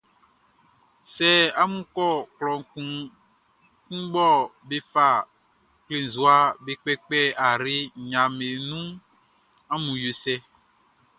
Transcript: Sɛ amun kɔ klɔ kun mɔ be fa klenzua be kpɛkpɛ ayre nɲaʼm be nunʼn, amun yo cɛ.